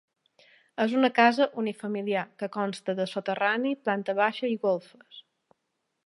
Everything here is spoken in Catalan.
És una casa unifamiliar que consta de soterrani, planta baixa i golfes.